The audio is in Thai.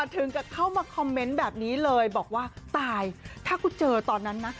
ถึงกับเข้ามาคอมเมนต์แบบนี้เลยบอกว่าตายถ้ากูเจอตอนนั้นนะ